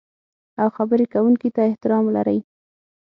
او خبرې کوونکي ته احترام لرئ.